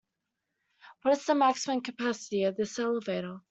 What is the maximum capacity of this elevator?